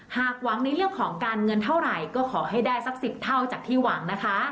หากหวังในเรื่องของการเงินเท่าไหร่ก็ขอให้ได้สัก๑๐เท่าจากที่หวังนะคะ